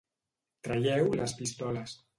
Traieu les pistoles.